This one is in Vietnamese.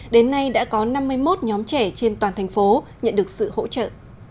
đến nay đã có năm mươi một nhóm trẻ trên toàn thành phố nhận được sự hỗ trợ